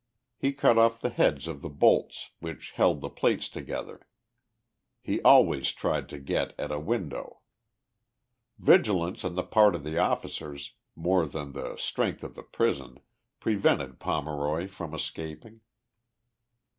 He cut off' the heads of the bolts , which held the plates together. He always tried to get at a window. 73 TIIE LIFE OF JESSE HARDING POMEROY. Vigilence on the part of the officers, more than the strength of the prison, prevented Pomeroy from escaping.